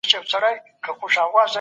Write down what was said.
پنځه جمع دوه؛ اووه کېږي.